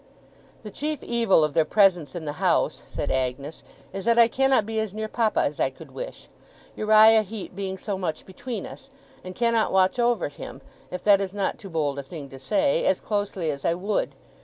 'The chief evil of their presence in the house,' said Agnes, 'is that I cannot be as near papa as I could wish Uriah Heep being so much between us and cannot watch over him, if that is not too bold a thing to say, as closely as I would.